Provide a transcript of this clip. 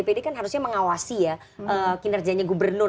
senator dpd kan harus mengawasi ya kinerjanya gubernur